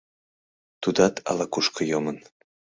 Тудат ала-кушко йомын.